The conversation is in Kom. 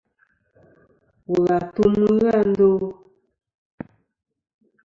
Wul àtum ghɨ a ndo.